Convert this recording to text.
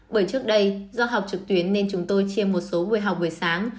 bởi trước đây do học trực tuyến nên chúng tôi chia một số buổi học buổi sáng